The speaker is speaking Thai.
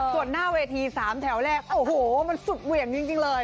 ส่วนหน้าเวที๓แถวแรกโอ้โหมันสุดเหวี่ยงจริงเลย